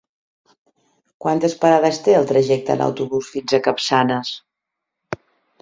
Quantes parades té el trajecte en autobús fins a Capçanes?